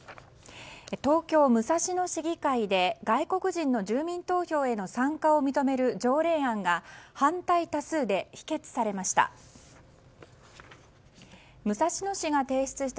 東京・武蔵野市議会で外国人の住民投票への参加を認める条例案が反対多数で否決されました。